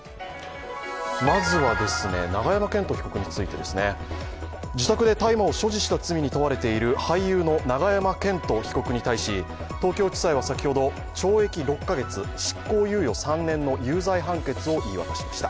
まずは永山絢斗被告についてですね。自宅を大麻を所持した罪に問われている俳優の永山絢斗被告に対し東京地裁は先ほど懲役６か月、執行猶予３年の有罪判決を言い渡しました。